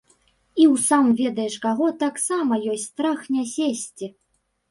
І ў сам ведаеш каго таксама ёсць страх не сесці!